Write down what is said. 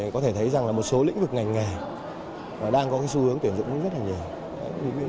có thể thấy rằng là một số lĩnh vực ngành nghề đang có xu hướng tuyển dụng rất là nhiều